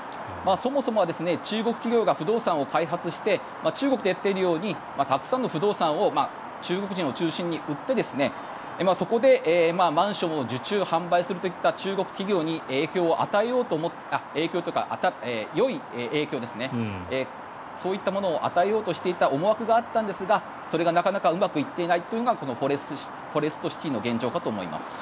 そもそもは中国企業が不動産を開発して中国でやっているようにたくさんの不動産を中国人を中心に売ってそこでマンションを受注、販売する中国企業によい影響そういったものを与えようとしていた思惑があったんですがそれがなかなかうまくいっていないのがフォレストシティーの現状かと思います。